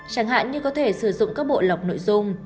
chẳng hạn như có thể sử dụng các bộ lọc nội dung